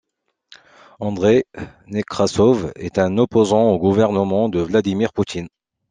Andreï Nekrassov est un opposant au gouvernement de Vladimir Poutine.